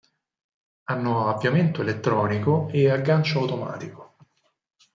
Hanno avviamento elettronico e aggancio automatico.